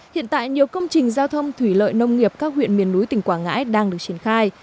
hiện tại nhiều công trình giao thông thủy lợi nông nghiệp các huyện miền núi tỉnh quảng ngãi đang được triển khai